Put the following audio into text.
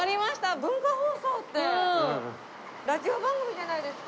文化放送ってラジオ番組じゃないですか。